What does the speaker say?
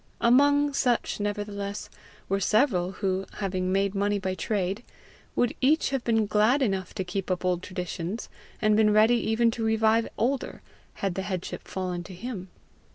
Among such nevertheless were several who, having made money by trade, would each have been glad enough to keep up old traditions, and been ready even to revive older, had the headship fallen to him.